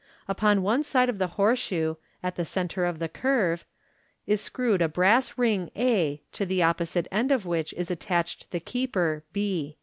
Upon one side of the horseshoe, at the centre of the curve, is screwed a brass spring a, to the opposite end of which is attached the keeper b.